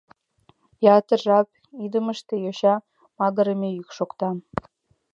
Ятыр жап идымыште йоча магырыме, йӱк шокта.